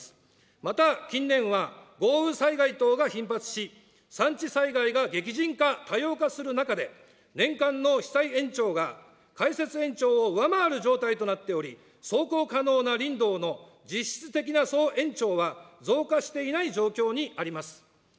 また近年は、豪雨災害等が頻発し、山地災害が激甚化・多様化する中で、年間の被災延長が開設延長を上回る状態となっており、走行可能な林道の実質的な総延長は増加していない状況にあります。